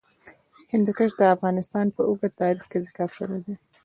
هندوکش د افغانستان په اوږده تاریخ کې ذکر شوی دی.